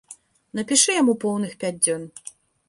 Напішы яму поўных пяць дзён!